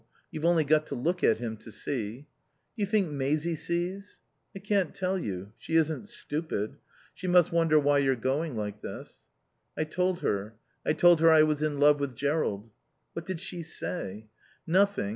You've only got to look at him to see." "Do you think Maisie sees?" "I can't tell you. She isn't stupid. She must wonder why you're going like this." "I told her. I told her I was in love with Jerrold." "What did she say?" "Nothing.